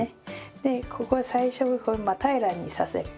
でここ最初真っ平らにさせる。